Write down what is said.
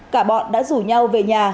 cả bọn đã rủ nhau về nhà